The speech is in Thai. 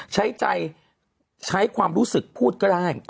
ใช้ใจใช้ความรู้สึกพูดก็ได้